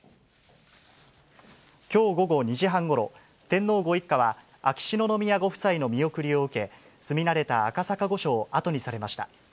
きょう午後２時半ごろ、天皇ご一家は秋篠宮ご夫妻の見送りを受け、住み慣れた赤坂御所を後にされました。